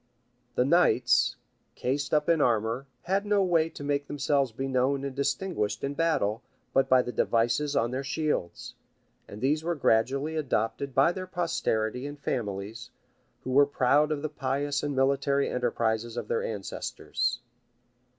The knights, cased up in armor, had no way to make themselves be known and distinguished in battle, but by the devices on their shields; and these were gradually adopted by their posterity and families, who were proud of the pious and military enterprises of their ancestors.